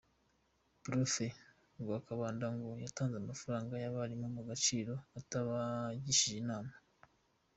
Prof Lwakabamba ngo yatanze amafaranga y’abarimu mu Gaciro atabagishije inama